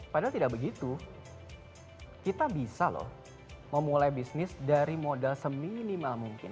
padahal tidak begitu kita bisa loh memulai bisnis dari modal seminimal mungkin